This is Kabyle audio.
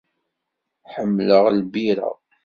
Ḥemmleɣ lbirra.